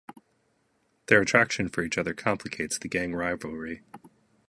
Their attraction for each other complicates the gang rivalry.